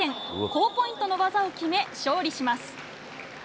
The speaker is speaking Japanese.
高ポイントを技を決め、勝利します。